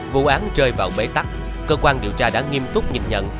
vụ án rơi vào bế tắc cơ quan điều tra đã nghiêm túc nhìn nhận